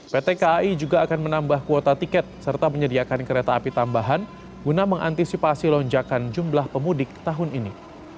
pt kai juga akan menambah kuota tiket serta menyediakan kereta api tambahan guna mengantisipasi lonjakan jumlah pemudik tahun ini